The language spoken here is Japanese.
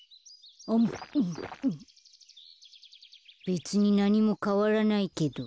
べつになにもかわらないけど。